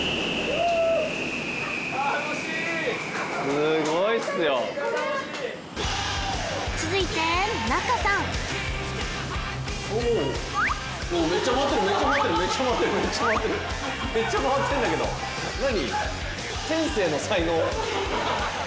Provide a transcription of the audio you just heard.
すごいっすよ続いて仲さんめっちゃ回ってんだけど何？